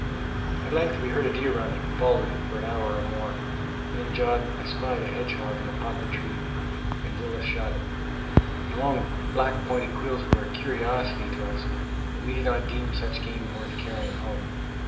At length we heard a deer run, and followed it for an hour or more. Then John espied a hedgehog in a poplar tree, and Willis shot it. The long black pointed quills were a curiosity to us, but we did not deem such game worth carrying home.